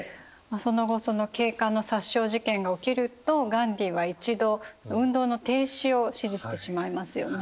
その後その警官の殺傷事件が起きるとガンディーは一度運動の停止を指示してしまいますよね。